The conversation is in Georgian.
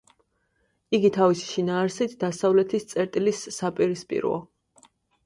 იგი თავისი შინაარსით დასავლეთის წერტილის საპირისპიროა.